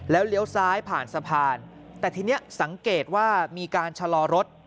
เลี้ยวซ้ายผ่านสะพานแต่ทีนี้สังเกตว่ามีการชะลอรถ